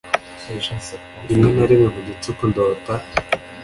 rimwe na rimwe mu gicuku ndota